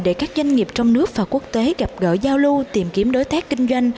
để các doanh nghiệp trong nước và quốc tế gặp gỡ giao lưu tìm kiếm đối tác kinh doanh